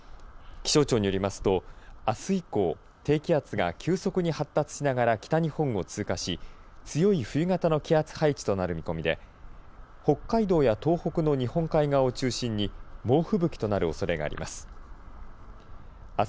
気象庁によりますと、あす以降低気圧が急速に発達しながら北日本を通過し強い冬型の気圧配置となる見込みで北海道や東北の日本海側を中心に猛吹雪となるおそれがあります。